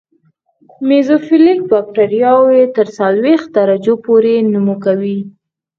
میزوفیلیک بکټریاوې تر څلوېښت درجو پورې نمو کوي.